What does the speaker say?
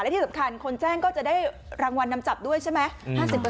และที่สำคัญคนแจ้งก็จะได้รางวัลนำจับด้วยใช่ไหม